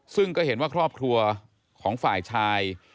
ซึ่งก็เห็นว่าครอบครัวของฝ่ายชาย